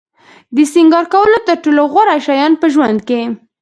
د سینگار کولو تر ټولو غوره شیان په ژوند کې.